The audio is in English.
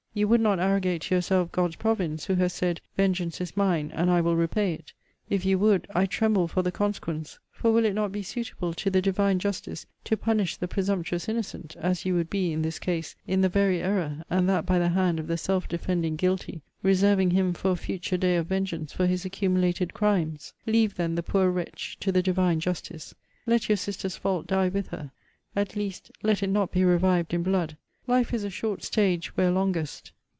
You would not arrogate to yourself God's province, who has said, Vengeance is mine, and I will repay it. If you would, I tremble for the consequence: For will it not be suitable to the divine justice to punish the presumptuous innocent (as you would be in this case) in the very error, and that by the hand of the self defending guilty reserving him for a future day of vengeance for his accumulated crimes? Leave then the poor wretch to the divine justice. Let your sister's fault die with her. At least, let it not be revived in blood. Life is a short stage where longest.